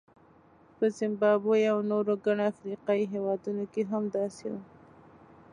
په زیمبابوې او نورو ګڼو افریقایي هېوادونو کې هم داسې وو.